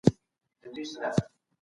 کینه زړه توروي.